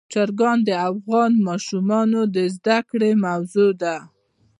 چرګان د افغان ماشومانو د زده کړې موضوع ده.